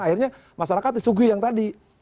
akhirnya masyarakat disugui yang tadi